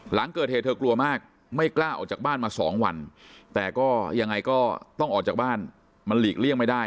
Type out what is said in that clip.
หลังเกิดเหตุเธอกลัวมากไม่กล้าออกจากบ้านมา๒วันแต่ก็ยังไงก็ต้องออกจากบ้านมันหลีกเลี่ยงไม่ได้